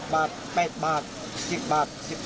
๖บาท๘บาท๑๐บาท๑๒บาท